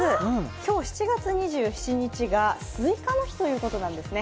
今日７月２７日がすいかの日ということなんですね。